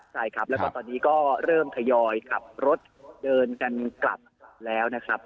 ใช่ครับแล้วก็ตอนนี้ก็เริ่มทยอยขับรถเดินกันกลับแล้วนะครับ